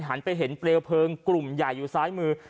หันไปเห็นเปลวเพลิงกลุ่มใหญ่อยู่ซ้ายมือ